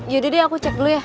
yaudah deh aku cek dulu ya